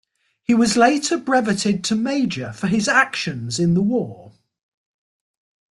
He was later breveted to major for his actions in the war.